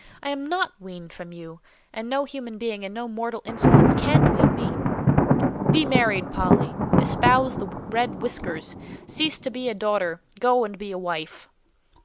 I am not weaned from you, and no human being and no mortal influence can wean me." "Be married, Polly! Espouse the red whiskers. Cease to be a daughter; go and be a wife!"